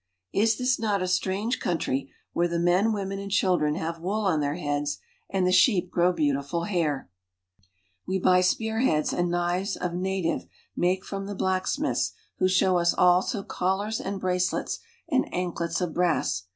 Is this not a strange country where the men, women, and children have wool on their heads and the sheep grow beautiful hair ? We buy spear heads and knives of native make from the blacksmiths, who show us also collars and bracelets and anklets of brass.